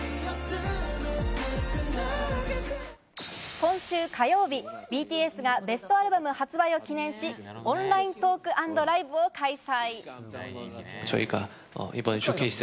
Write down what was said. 今週火曜日、ＢＴＳがベストアルバム発売を記念し、オンライントーク＆ライブを開催。